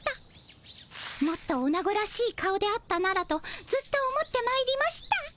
もっとオナゴらしい顔であったならとずっと思ってまいりました。